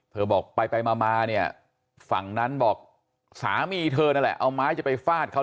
บอกไปไปมาเนี่ยฝั่งนั้นบอกสามีเธอนั่นแหละเอาไม้จะไปฟาดเขา